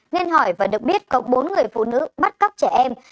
nên hỏi và được biết có bốn người phụ nữ bắt cóc trẻ em